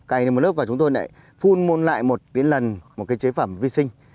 cài lên một lớp và chúng tôi lại phun môn lại một cái lần một cái chế phẩm vi sinh